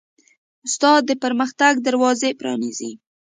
استاد د پرمختګ دروازې پرانیزي.